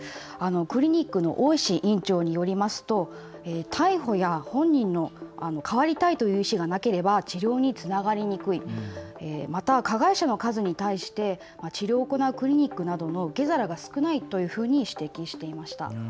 クリニックの大石院長によりますと逮捕や本人の変わりたいという意志がなければ治療につながりにくい、また加害者の数に対して治療を行うクリニックなどの受け皿が少ないというふうに指摘していました。